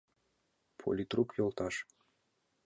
— Политрук йолташ!